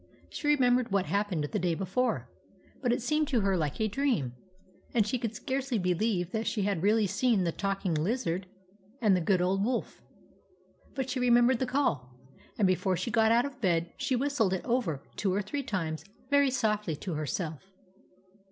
She remembered what had happened the day before, but it seemed to her like a dream, and she could scarcely believe that she had really seen the talking Lizard and the good old Wolf. But she remembered the call, and be fore she got out of bed she whistled it over two or three times very softly to herself.